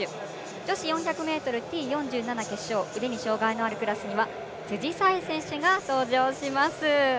女子４００ｍＴ４７決勝腕に障がいのあるクラスには辻沙絵選手が登場します。